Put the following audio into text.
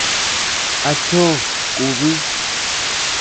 A chóʼoo kubii.